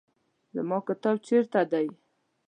زما کتاب چیرته دی؟